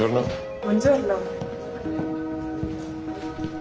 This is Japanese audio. はい。